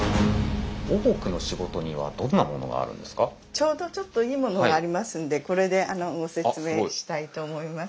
ちょうどちょっといいものがありますんでこれでご説明したいと思います。